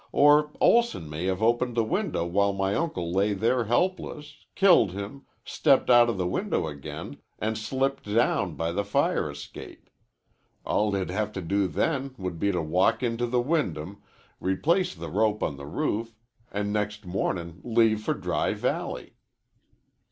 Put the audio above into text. Or Olson may have opened the window while my uncle lay there helpless, killed him, stepped outa the window again, an' slipped down by the fire escape. All he'd have to do then would be to walk into the Wyndham, replace the rope on the roof, an' next mornin' leave for Dry Valley."